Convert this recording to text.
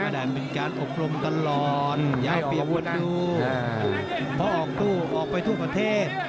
กระแดนเป็นการอบคลมตลอดอย่าเปลี่ยนกว่าดูเพราะออกไปทั่วประเทศ